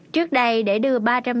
trước đây để đưa ba trăm linh tầng